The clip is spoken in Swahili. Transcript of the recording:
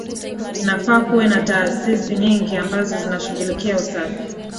Inafaa kuwe na taasisi nyingi ambazo zinashughulikia usafi